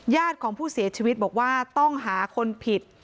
ญาติของผู้เสียชีวิตบอกว่าต้องหาคนผิด